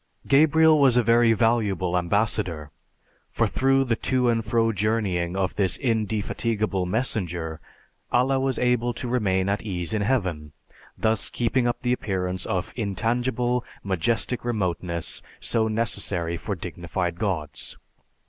Gabriel was a very valuable ambassador, for through the to and fro journeying of this indefatigable messenger Allah was able to remain at ease in heaven, thus keeping up the appearance of intangible, majestic remoteness so necessary for dignified gods.